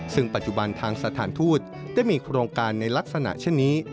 ซึ่งปัจจุบันทางสถานทูตได้มีโครงการในลักษณะเช่นนี้